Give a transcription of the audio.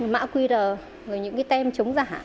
mã quy đờ những cái tem chống giả